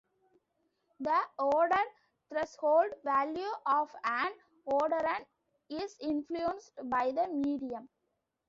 The odor threshold value of an odorant is influenced by the medium.